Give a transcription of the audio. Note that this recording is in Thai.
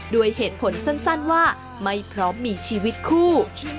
ด้วยเหตุผลสั้นว่าไม่พร้อมมีชีวิตคู่